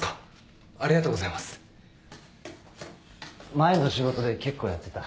前の仕事で結構やってた。